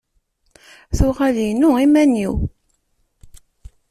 Tuɣal yinu iman-iw.